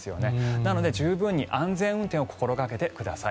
なので十分に安全運転を心がけてください。